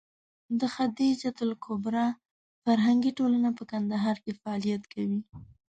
د خدېجه الکبرا فرهنګي ټولنه په کندهار کې فعالیت کوي.